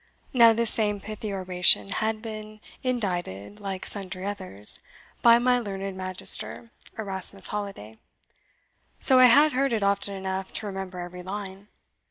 Now this same pithy oration had been indited, like sundry others, by my learned magister, Erasmus Holiday, so I had heard it often enough to remember every line.